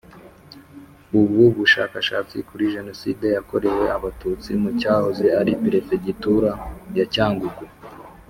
Ubu bushakashatsi kuri Jenoside yakorewe Abatutsi mu cyahoze ari perefegitura ya cyangugu